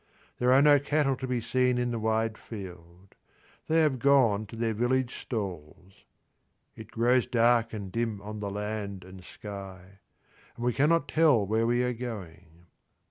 There are no cattle to be seen in the wide field; they have gone to their village stalls. It grows dark and dim on the land and sky, and we cannot tell where we are going.